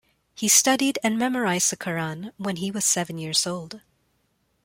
He studied and memorized the Qur'an when he was seven years old.